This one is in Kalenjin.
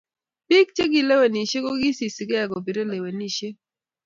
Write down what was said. Pik che kilewenishe kokisisike kopire lewenishet